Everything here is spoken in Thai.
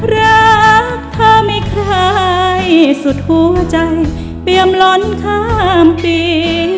รักเธอไม่คล้ายสุดหัวใจเปรียมล้นข้ามปี